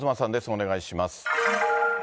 お願いします。